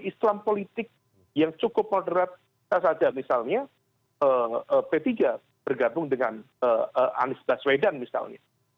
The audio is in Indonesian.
jadi islam politik yang cukup moderat saya saja misalnya p tiga bergabung dengan anies baswedan misalnya